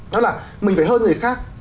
đó là mình phải hơn người khác